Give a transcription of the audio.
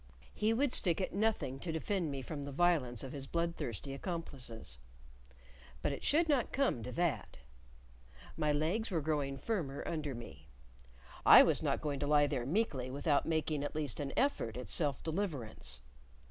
He would stick at nothing to defend me from the violence of his bloodthirsty accomplices. But it should not come to that. My legs were growing firmer under me. I was not going to lie there meekly without making at least an effort at self deliverance.